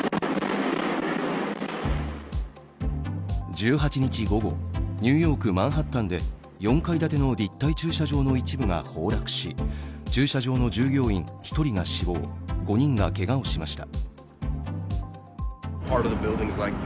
１８日午後、ニューヨーク・マンハッタンで４階建ての立体駐車場の一部が崩落し、駐車場の従業員１人が死亡、５人がけがをしました。